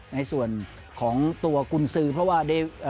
ในส่วนตัวกุญซื้อเพราะว่า